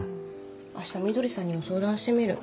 あしたみどりさんにも相談してみる。